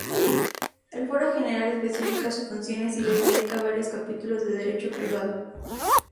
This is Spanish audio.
El Fuero General especifica sus funciones y les dedica varios capítulos de derecho privado.